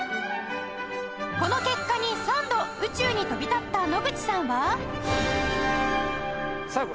この結果に３度宇宙に飛び立った野口さんは